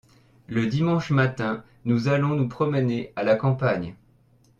le dimanche matin nous allons nous promener à la campagne.